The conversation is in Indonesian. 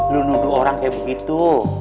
lu nuduh orang kayak begitu